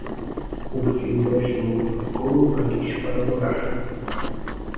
O filho mais novo ficou no país para morar